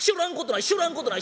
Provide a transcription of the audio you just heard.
知らんことない。